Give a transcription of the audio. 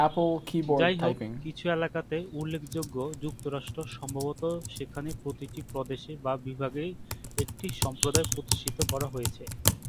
যাই হোক, কিছু এলাকাতে, উল্লেখযোগ্য যুক্তরাষ্ট্র, সম্ভবত সেখানে প্রতিটি প্রদেশে বা বিভাগে একটি সম্প্রদায় প্রতিষ্ঠিত করা হয়েছে।